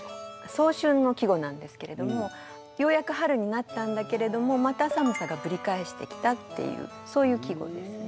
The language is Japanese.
早春の季語なんですけれどもようやく春になったんだけれどもまた寒さがぶり返してきたっていうそういう季語ですね。